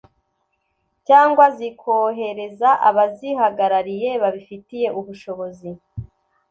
cyangwa zikohereza abazihagarariye babifitiye ubushobozi